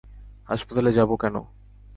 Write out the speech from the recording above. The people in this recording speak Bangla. হাসপাতালে যাব কেন?